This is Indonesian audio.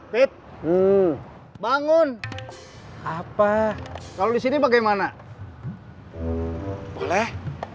fit bangun apa kalau disini bagaimana boleh